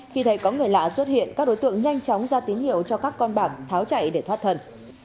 khi thấy có người lạ xuất hiện các đối tượng nhanh chóng ra tín hiệu cho các con bảng tháo chạy để thoát thần